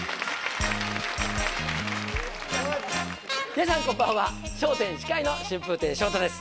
皆さんこんばんは『笑点』司会の春風亭昇太です。